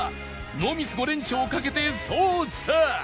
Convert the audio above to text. ノーミス５連勝をかけて捜査